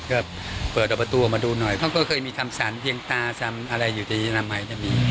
ก็เปิดออกประตูออกมาดูหน่อยเขาก็เคยมีคำสรรเพียงตาซ้ำอะไรอยู่ในอนามัยจะมี